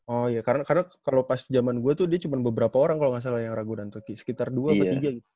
oh ya karena pas jaman gue tuh dia cuma beberapa orang kalau gak salah yang ragunan sekitar dua apa tiga gitu